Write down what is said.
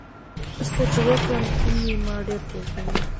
څه چې وکړم کوم یې ما ډېر جذبوي؟